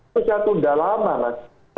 saya tunda lama mas